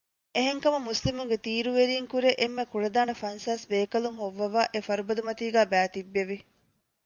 އެހެންކަމުން މުސްލިމުންގެ ތީރުވެރީންކުރެ އެންމެ ކުޅަދާނަ ފަންސާސް ބޭކަލުން ހޮއްވަވައި އެފަރުބަދަމަތީގައި ބައިތިއްބެވި